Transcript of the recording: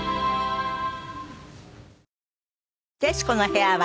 『徹子の部屋』は